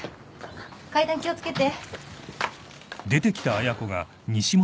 あっ階段気を付けて。